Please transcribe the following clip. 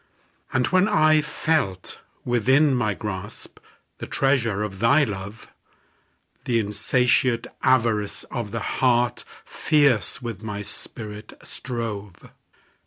And when I felt within my grasp, The treasure of thy love; The insatiate avarice of the heart Fierce with my spirit strove.